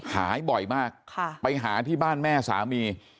หายบ่อยมากไปหาที่บ้านแม่สามี